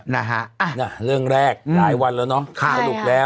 นะฮะเรื่องแรกหลายวันแล้วเนาะสรุปแล้ว